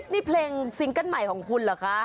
นี่เพลงซิงเกิ้ลใหม่ของคุณเหรอคะ